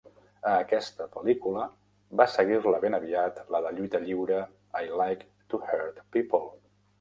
A aquesta pel·lícula va seguir-la ben aviat la de lluita lliure 'I Like to Hurt People'.